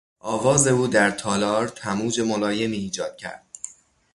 آواز او در تالار تموج ملایمی ایجاد کرد.